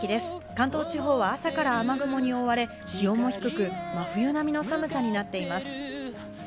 関東地方は朝から雨雲に覆われ、気温も低く真冬並みの寒さになっています。